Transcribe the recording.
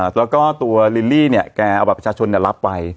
แล้วก็ตัวลิลลี่เนี่ยแกเอาบัตรประชาชนรับไป